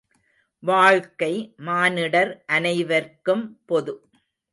வாழ்க்கை, மானிடர் அனைவர்க்கும் பொது.